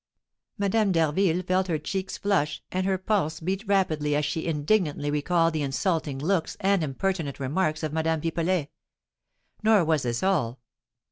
Madame d'Harville felt her cheeks flush, and her pulse beat rapidly as she indignantly recalled the insulting looks and impertinent remarks of Madame Pipelet. Nor was this all.